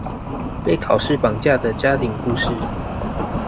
被考試綁架的家庭故事